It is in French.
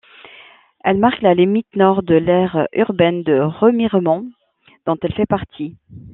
Elle marque la limite nord de l'aire urbaine de Remiremont dont elle fait partie.